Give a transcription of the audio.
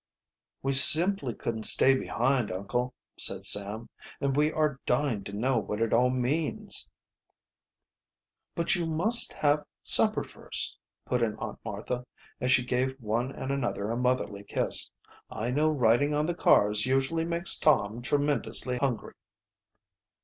"We simply couldn't stay behind, uncle," said Sam. "And we are dying to know what it all means." "But you must have supper first," put in Aunt Martha, as she gave one and another a motherly kiss. "I know riding on the cars usually makes Tom tremendously hungry."